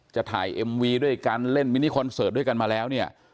จะถ่ายเอ็มวีด้วยกันเล่นมินิคอนเสิร์ตด้วยกันมาแล้วเนี่ย